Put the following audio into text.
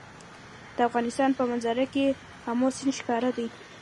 د افغانستان په منظره کې آمو سیند ښکاره دی.